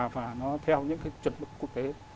và nó theo những cái chuẩn quốc tế